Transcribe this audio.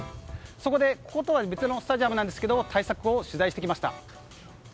そこでこことは別のスタジアムですが対策を取材してきました。